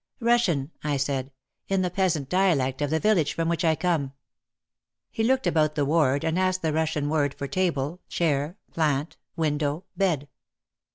"Russian," I said, "in the peasant dialect of the vil lage from which I come." He looked about the ward and asked the Russian word for table, chair, plant, window, bed.